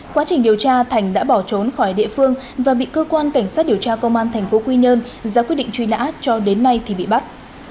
quá trình điều tra thành đã bỏ trốn khỏi địa phương và bị cơ quan cảnh sát điều tra công an tp quy nhơn ra quyết định truy nã cho đến nay thì bị bắt